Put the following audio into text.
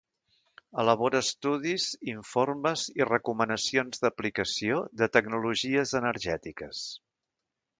Elabora estudis, informes i recomanacions d'aplicació de tecnologies energètiques.